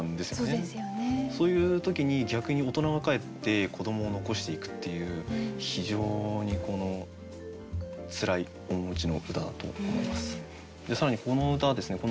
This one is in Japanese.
そういう時に逆に大人は帰って子どもを残していくっていう非常につらい面持ちの歌だと思います。